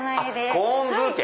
コーンブーケ！